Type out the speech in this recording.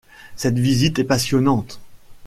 Cette visite est passionnante.